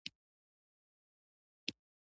لومړی مسؤل مدیر مقاله ګوري.